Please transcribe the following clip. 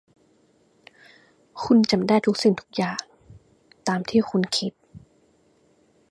คุณจะไม่ได้ทุกสิ่งทุกอย่างตามที่คุณคิด